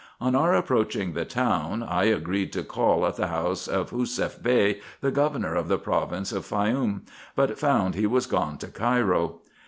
On our approaching the town, I agreed to call at the house of HusufF Bey, the governor of the province of Faioum, but found he was gone to Cairo.